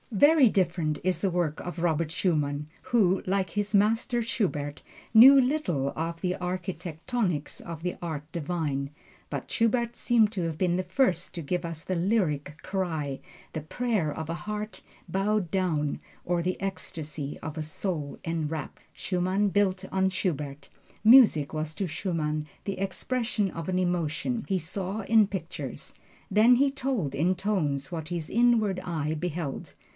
Very different is the work of Robert Schumann, who, like his master Schubert, knew little of the architectonics of the Art Divine. But Schubert seems to have been the first to give us the "lyric cry" the prayer of a heart bowed down, or the ecstasy of a soul enrapt. Schumann built on Schubert. Music was to Schumann the expression of an emotion. He saw in pictures, then he told in tones, what his inward eye beheld.